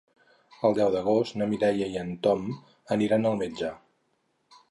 El deu d'agost na Mireia i en Tom aniran al metge.